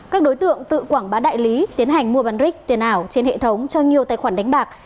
các đối tượng tự quảng bá đại lý tiến hành mua bán rick tiền ảo trên hệ thống cho nhiều tài khoản đánh bạc